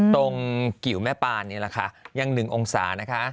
กิวแม่ปานนี่แหละค่ะยัง๑องศานะคะ